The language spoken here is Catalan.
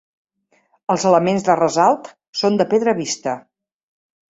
Els elements de ressalt són de pedra vista.